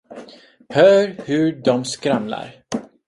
Hör hur de skramlar!